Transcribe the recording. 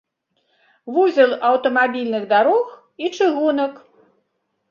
Вузел аўтамабільных дарог і чыгунак.